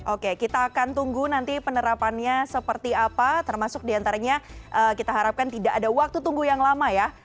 oke kita akan tunggu nanti penerapannya seperti apa termasuk diantaranya kita harapkan tidak ada waktu tunggu yang lama ya